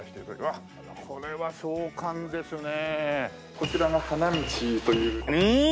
こちらが花道という。